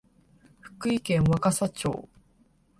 福井県若狭町